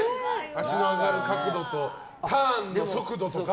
足の上がる角度とターンの速度とか。